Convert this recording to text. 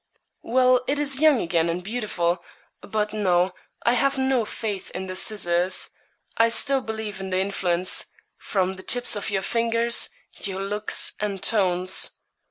'Well, it is young again and beautiful; but no I have no faith in the scissors; I still believe in the influence from the tips of your fingers, your looks, and tones.